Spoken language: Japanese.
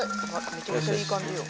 めちゃくちゃいい感じよ。